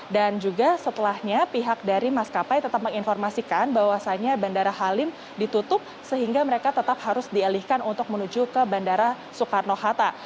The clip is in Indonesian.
dan juga setelahnya pihak dari maskapai tetap menginformasikan bahwasannya bandara halim ditutup sehingga mereka tetap harus dialihkan untuk menuju ke bandara soekarno hatta